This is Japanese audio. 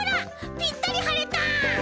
ぴったりはれた！